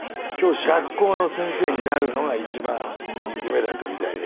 学校の先生になるのが一番夢だったみたいで。